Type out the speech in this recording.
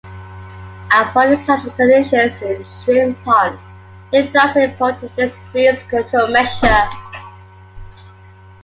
Avoiding such conditions in shrimp ponds is thus an important disease control measure.